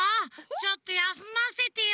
ちょっとやすませてよ